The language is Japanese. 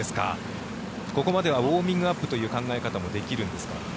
ここまではウォーミングアップという考え方もできるんですか。